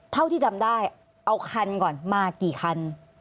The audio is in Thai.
เท่าที่จำได้เอาคันก่อนมากี่คัน